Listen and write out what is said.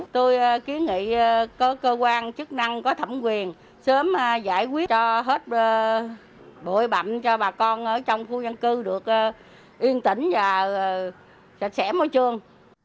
tôi kiến nghị cơ quan chức năng có thẩm quyền sớm giải quyết cho hết bội bậm cho bà con ở trong khu dân cư được yên tĩnh và sạch sẽ môi trường